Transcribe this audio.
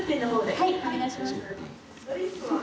はいお願いします。